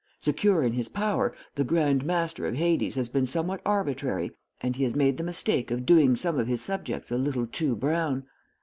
Secure in his power, the Grand Master of Hades has been somewhat arbitrary, and he has made the mistake of doing some of his subjects a little too brown.